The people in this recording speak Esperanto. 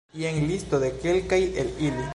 Jen listo de kelkaj el ili.